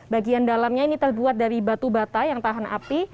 bagian dalamnya ini terbuat dari batu bata yang tahan api